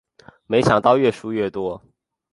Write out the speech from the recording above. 没想到越输越多